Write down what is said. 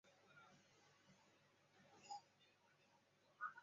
具葶离子芥为十字花科离子芥属下的一个种。